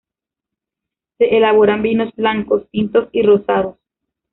Se elaboran vinos blancos, tintos y rosados.